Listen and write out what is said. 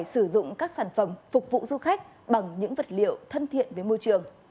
sử dụng các sản phẩm phục vụ du khách bằng những vật liệu thân thiện với môi trường